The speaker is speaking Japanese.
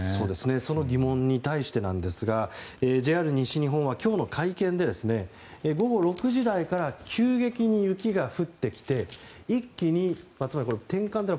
その疑問に対してなんですが、ＪＲ西日本は今日の会見で、午後６時台から急激に雪が降ってきて一気に転換不能